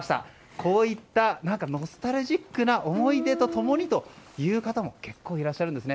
こういったノスタルジックな思い出と共にという方も結構いらっしゃるんですね。